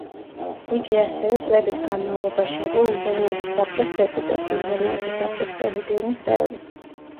იგი ასევე, წლების განმავლობაში იყო უზენაესი საბჭოს დეპუტატი, უზენაესი საბჭოს პრეზიდიუმის წევრი.